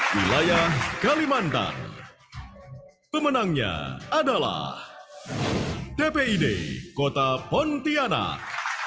wilayah kalimantan pemenangnya adalah tpid kota pontianak